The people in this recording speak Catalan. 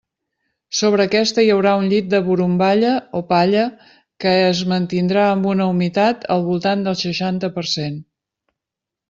Sobre aquesta hi haurà un llit de borumballa o palla que es mantindrà amb una humitat al voltant del seixanta per cent.